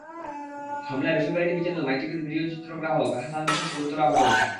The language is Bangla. হামলায় বেসরকারি টিভি চ্যানেল মাইটিভির ভিডিওচিত্র গ্রাহক হাসান বিশ্বাস গুরুতর আহত হয়েছেন।